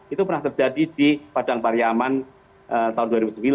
itu pernah terjadi di padang pariaman tahun dua ribu sembilan